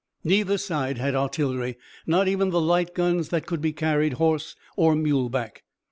Neither side had artillery, not even the light guns that could be carried horse or muleback.